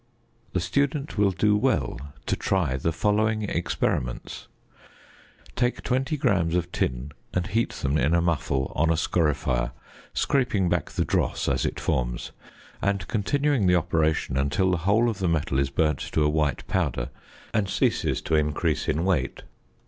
The student will do well to try the following experiments: Take 20 grams of tin and heat them in a muffle on a scorifier, scraping back the dross as it forms, and continuing the operation until the whole of the metal is burnt to a white powder and ceases to increase in weight.